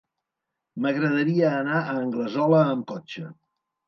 M'agradaria anar a Anglesola amb cotxe.